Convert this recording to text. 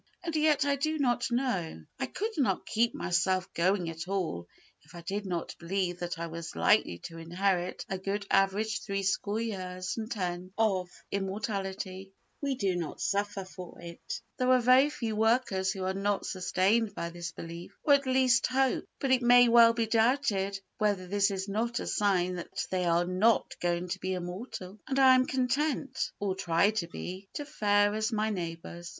And yet I do not know—I could not keep myself going at all if I did not believe that I was likely to inherit a good average three score years and ten of immortality. There are very few workers who are not sustained by this belief, or at least hope, but it may well be doubted whether this is not a sign that they are not going to be immortal—and I am content (or try to be) to fare as my neighbours.